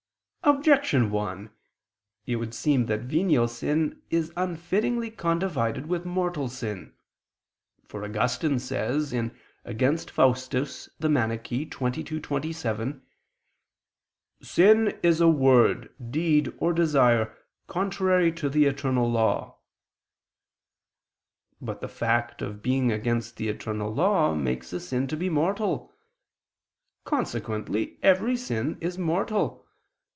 Objection 1: It would seem that venial sin is unfittingly condivided with mortal sin. For Augustine says (Contra Faust. xxii, 27): "Sin is a word, deed or desire contrary to the eternal law." But the fact of being against the eternal law makes a sin to be mortal. Consequently every sin is mortal.